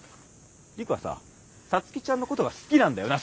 陸はさ皐月ちゃんのことが好きなんだよな？